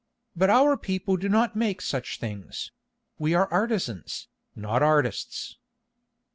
But our people do not make such things; we are artisans, not artists."